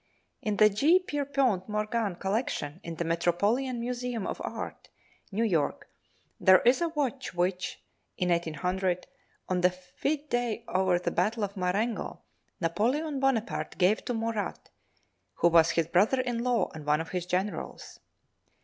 In the J. Pierpont Morgan collection in the Metropolitan Museum of Art, New York, there is a watch which, in 1800, on the fete day after the battle of Marengo, Napoleon Bonaparte gave to Murat, who was his brother in law and one of his generals.